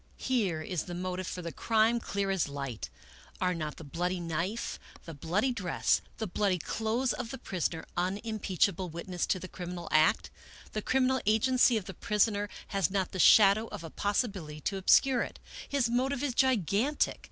Here is the motive for the crime, clear as Hght. Are not the bloody knife, the bloody dress, the bloody clothes of the prisoner, unimpeachable witnesses to the criminal act ? The criminal agency of the prisoner has not the shadow of a possibility to obscure it. His motive is gigantic.